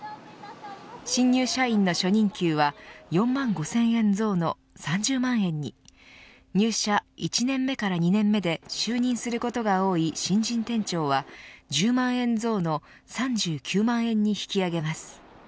新入社員の初任給は４万５０００円増の３０万円に入社１年目から２年目で就任することが多い新人店長は１０万円増の３９万円に引き上げます。